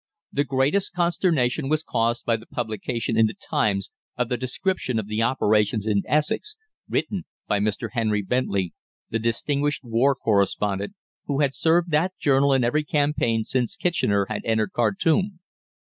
The greatest consternation was caused by the publication in the "Times" of the description of the operations in Essex, written by Mr. Henry Bentley, the distinguished war correspondent, who had served that journal in every campaign since Kitchener had entered Khartum.